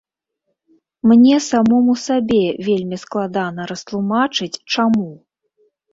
Мне самому сабе вельмі складана растлумачыць чаму.